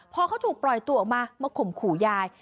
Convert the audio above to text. พอเขาถูกปล่อยตัวออกมามาข่มขู่ยาย